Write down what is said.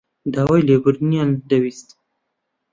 داوای لێبوردنیان دەویست.